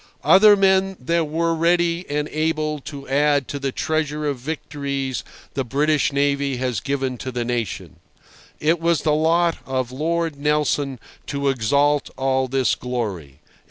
Other men there were ready and able to add to the treasure of victories the British navy has given to the nation. It was the lot of Lord Nelson to exalt all this glory.